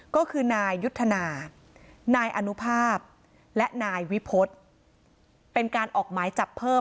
ก็คือนายยุทธนานายอนุภาพและนายวิพฤษเป็นการออกหมายจับเพิ่ม